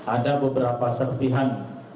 ada beberapa serpihan